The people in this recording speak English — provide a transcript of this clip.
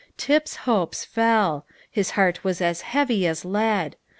Tip's hopes fell; his heart was as heavy as lead.